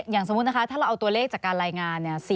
สมมุตินะคะถ้าเราเอาตัวเลขจากการรายงานเนี่ย